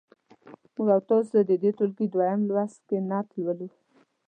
موږ او تاسو د دې ټولګي دویم لوست کې نعت لولو.